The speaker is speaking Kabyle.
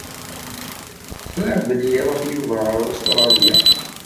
Ẓriɣ belli iruḥ Yuba ɣer Ustralya.